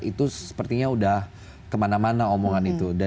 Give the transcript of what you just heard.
itu sepertinya sudah kemana mana omongan itu